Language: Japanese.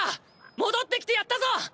戻って来てやったぞ！